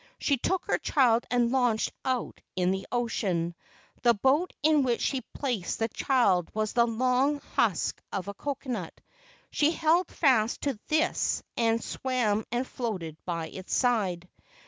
She took her child and launched out in the ocean. The boat in which she placed the child was the long husk of a coconut. She held fast to this and swam and floated by its side.